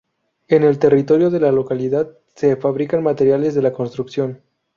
En el territorio de la localidad se fabrican materiales de la construcción.